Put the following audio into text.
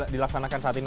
dilaksanakan saat ini